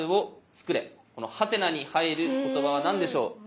このハテナに入る言葉は何でしょう？